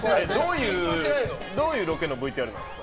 どういうロケのＶＴＲなんですか？